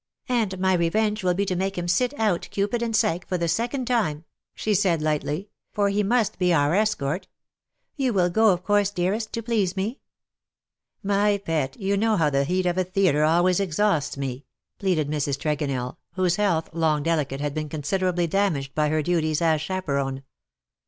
" And my revenge will be to make him sit out * Cupid and Psyche^ for the second time/'' she said;, lightly, ^' for he must be our escort. You will go, of course, dearest, to please me ?"" My pet, you know how the heat of a theatre always exhausts me \" pleaded Mrs. Tregonell, whose health, long delicate, had been considerably damaged by her duties as chaperon.